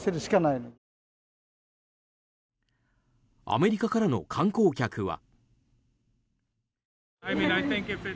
アメリカからの観光客は。